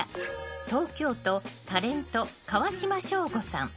東京都、タレント川島省吾さん。